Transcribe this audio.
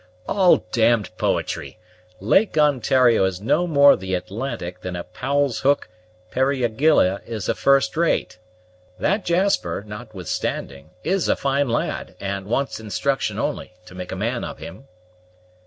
"All d d poetry! Lake Ontario is no more the Atlantic than a Powles Hook periagila is a first rate. That Jasper, notwithstanding, is a fine lad, and wants instruction only to make a man of him."